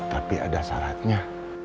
tapi ada syaratnya